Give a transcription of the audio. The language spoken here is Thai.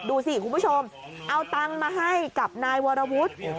ดูสิคุณผู้ชมเอาตังค์มาให้กับนายวรวุฒิ